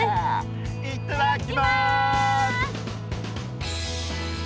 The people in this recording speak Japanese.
いっただきます！